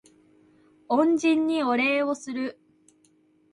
恩人にお礼をする